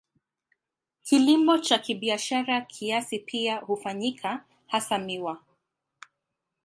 Kilimo cha kibiashara kiasi pia hufanyika, hasa miwa.